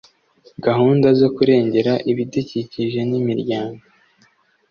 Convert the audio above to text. gahunda zo kurengera ibidukikije n imiryango